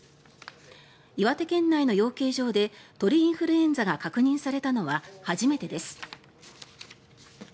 岩手県内の養鶏場で鳥インフルエンザが確認されたのは初めてです。